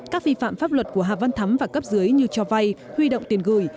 các vi phạm pháp luật của hà văn thắm và cấp dưới như cho vay huy động tiền gửi